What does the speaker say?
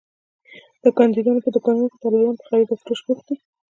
د کاندیدانو په دوکانونو کې دلالان په خرید او فروش بوخت دي.